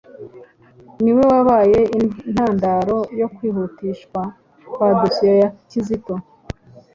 ni we wabaye intandaro yo kwihutishwa kwa dosiye ya Kizito